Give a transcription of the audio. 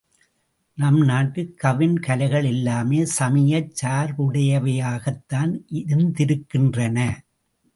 நம் நாட்டு கவின் கலைகள் எல்லாமே சமயச் சார்புடையவையாகத்தான் இருந்திருக்கின்றன.